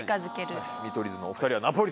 見取り図のお二人はナポリタン。